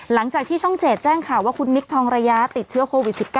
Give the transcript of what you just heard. หลังจากที่ช่อง๗แจ้งข่าวว่าคุณมิคทองระยะติดเชื้อโควิด๑๙